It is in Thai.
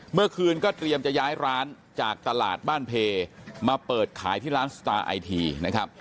เมื่อคืนก็เตรียมจะย้ายร้านจากตลาดบ้านเพมาเปิดขายที่ร้านสตาร์ไอทีนะครับ